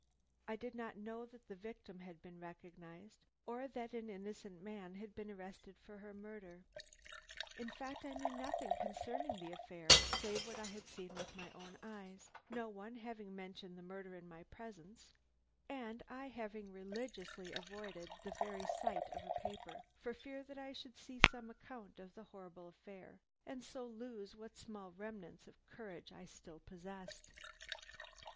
I did not know that the victim had been recognized, or that an innocent man had been arrested for her murder. In fact I knew nothing concerning the affair save what I had seen with my own eyes, no one having mentioned the murder in my presence, and I having religiously avoided the very sight of a paper for fear that I should see some account of the horrible affair, and so lose what small remnants of courage I still possessed.